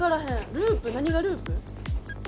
ループ何がループ？